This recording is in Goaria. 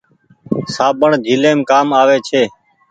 سابڻ جھليم ڪآم آوي ڇي۔